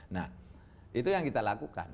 nah itu yang kita lakukan